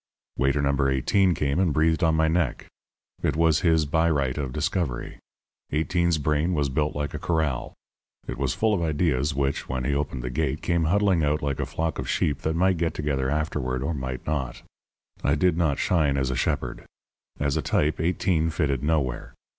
Waiter No. 18 came and breathed on my neck. I was his by right of discovery. Eighteen's brain was built like a corral. It was full of ideas which, when he opened the gate, came huddling out like a flock of sheep that might get together afterward or might not. I did not shine as a shepherd. As a type Eighteen fitted nowhere.